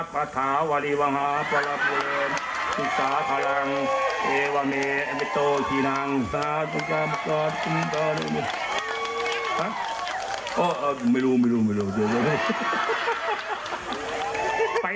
ไปส้าดูแปลกสโอปีฉันในชาติบ้านเมืองพ